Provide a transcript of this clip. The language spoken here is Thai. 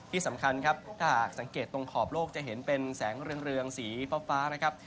ที่สำคัญครับถ้าหากสังเกตตรงขอบโลกจะเห็นเป็นแสงเรืองสีฟ้านะครับ